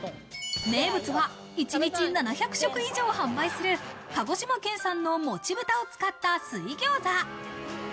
名物は一日７００食以上を販売する鹿児島県産のもち豚を使った水餃子。